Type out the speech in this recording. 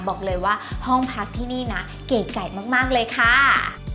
บอกเลยว่าห้องพักที่นี่นะเก๋ไก่มากเลยค่ะ